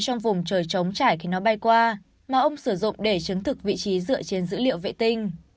trong vùng trời chống trải khi nó bay qua mà ông sử dụng để chứng thực vị trí dựa trên dữ liệu vệ tinh